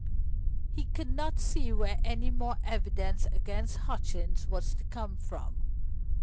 He could not see where any more evidence against Hutchings was to come from.